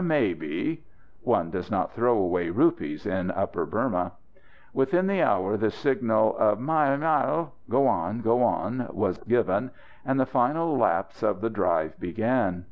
"Maybe." One does not throw away rupees in Upper Burma. Within the hour the signal of "Maîl, maîl!" (Go on, go on!) was given, and the final laps of the drive began.